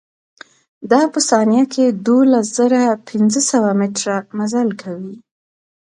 دا په ثانيه کښې دولز زره پنځه سوه مټره مزل کوي.